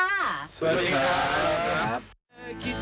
สวัสดีค่ะ